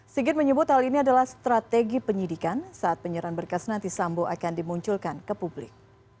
sigit menyebut hal ini adalah strategi penyidikan saat penyerahan berkas nanti sambo akan dimunculkan ke publik